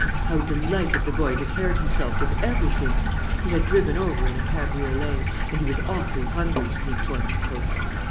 How delighted the boy declared himself with every thing! He had driven over in a cabriolet, and he was awfully hungry, he informed his host.